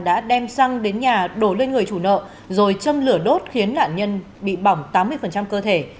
đã đem xăng đến nhà đổ lên người chủ nợ rồi châm lửa đốt khiến nạn nhân bị bỏng tám mươi cơ thể